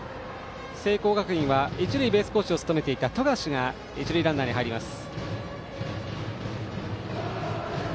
聖光学院は一塁ベースコーチを務めていた冨樫が一塁ランナーに入ります。